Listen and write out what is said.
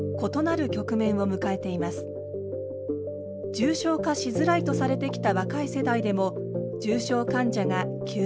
重症化しづらいとされてきた若い世代でも重症患者が急増。